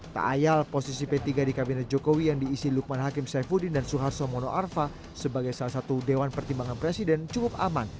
tak ayal posisi p tiga di kabinet jokowi yang diisi lukman hakim saifuddin dan suharto mono arfa sebagai salah satu dewan pertimbangan presiden cukup aman